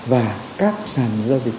và các sàn giao dịch